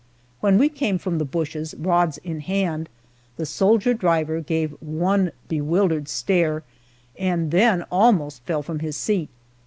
When we came from the bushes, rods in hand, the soldier driver gave one bewildered stare, and then almost fell from his seat.